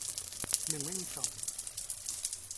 หนึ่งไม่มีสอง